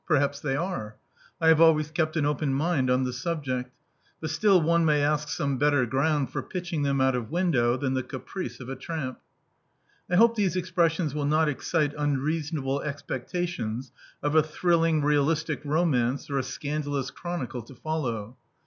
Perhaps they are: I have always kept an open mind onx the subject; but still one may ask some better ground for pitching them out of window than the caprice of a tramp. I hope these expressions will not excite unreason able expectations of a thrilling realistic romance, or a scandalous chronicle, to follow.